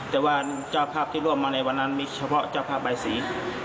แต่ว่าเจ้าภาพที่ร่วมมาในวันนั้นมีพระภาพไบผี